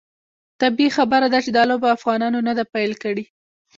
طبیعي خبره ده چې دا لوبه افغانانو نه ده پیل کړې.